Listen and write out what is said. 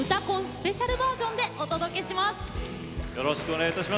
スペシャルバージョンでお届けします。